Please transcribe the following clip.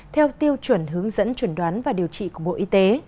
theo tiêu chuẩn hướng dẫn chuẩn đoán và điều trị của bộ y tế